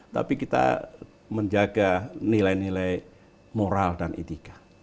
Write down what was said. tapi kita menjaga nilai nilai moral dan etika